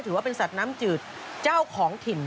ว่าเป็นสัตว์น้ำจืดเจ้าของถิ่น